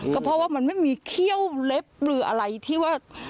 ก็เพราะว่ามันไม่มีเขี้ยวเล็บหรืออะไรที่ว่า